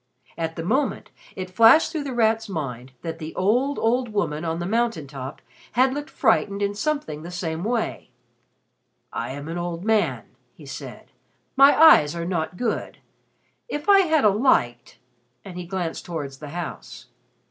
At the moment it flashed through The Rat's mind that the old, old woman on the mountain top had looked frightened in something the same way. "I am an old man," he said. "My eyes are not good. If I had a light" and he glanced towards the house.